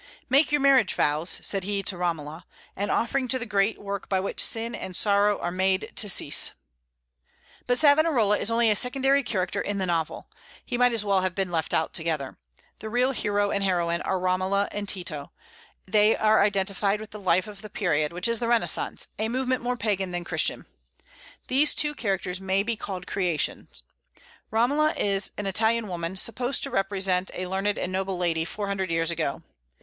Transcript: "Make your marriage vows," said he to Romola, "an offering to the great work by which sin and sorrow are made to cease." But Savonarola is only a secondary character in the novel. He might as well have been left out altogether. The real hero and heroine are Romola and Tito; and they are identified with the life of the period, which is the Renaissance, a movement more Pagan than Christian. These two characters may be called creations. Romola is an Italian woman, supposed to represent a learned and noble lady four hundred years ago.